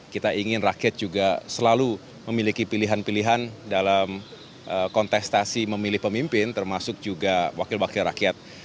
kita ingin rakyat juga selalu memiliki pilihan pilihan dalam kontestasi memilih pemimpin termasuk juga wakil wakil rakyat